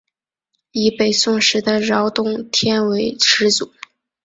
以北宋时的饶洞天为始祖。